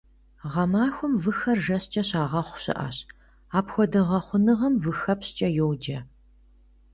Гъэмахуэм выхэр жэщкӏэ щагъэхъу щыӏэщ, апхуэдэ гъэхъуэкӏуэныгъэм выхэпщкӏэ йоджэ.